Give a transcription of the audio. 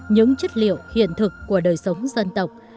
những chất liệu hiện thực của đời sống dân tộc